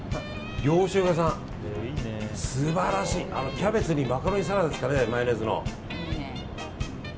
キャベツにマカロニサラダですかねマヨネーズの。